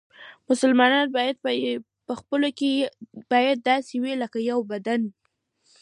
مسلمانان باید په خپلو کې باید داسې وي لکه یو بدن.